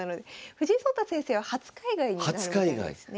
藤井聡太先生は初海外になるみたいですね。